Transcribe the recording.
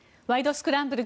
スクランブル」